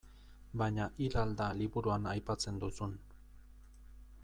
Baina hil al da liburuan aipatzen duzun.